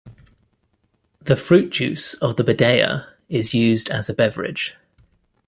The fruit juice of the badea is used as a beverage.